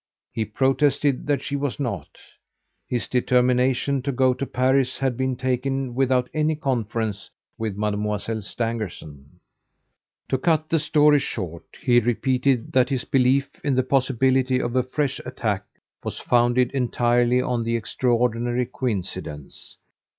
He protested that she was not. His determination to go to Paris had been taken without any conference with Mademoiselle Stangerson. "To cut the story short, he repeated that his belief in the possibility of a fresh attack was founded entirely on the extraordinary coincidence.